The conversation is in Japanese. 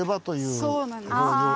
そうなんですね。